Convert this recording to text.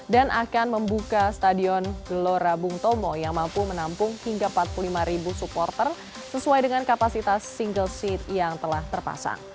dan akan membuka stadion kelora bung tomo yang mampu menampung hingga empat puluh lima supporter sesuai dengan kapasitas single seat yang telah terpasang